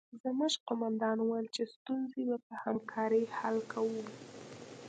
زموږ قومندان وویل چې ستونزې به په همکارۍ حل کوو